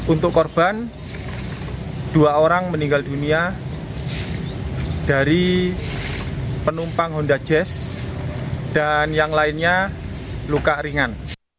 untuk korban dua orang meninggal dunia dari penumpang honda jazz dan yang lainnya luka ringan